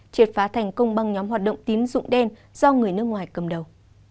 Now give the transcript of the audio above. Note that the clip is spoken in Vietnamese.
triệt phá thành công băng nhóm hoạt động tín dụng đen do người nước ngoài cầm đầu